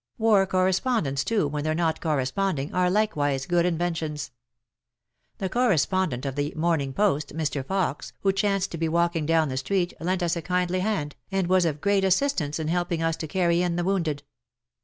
War correspondents too, when they're not corresponding, are likewise good inventions. The correspondent of the Moi^ning Post, Mr. Fox, who chanced to be walkinof down the street, lent us a kindly hand, and was of great assistance in helping us to carry in the wounded.